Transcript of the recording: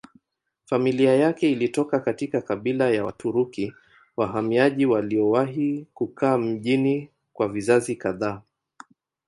Familia yake ilitoka katika kabila ya Waturuki wahamiaji waliowahi kukaa mjini kwa vizazi kadhaa.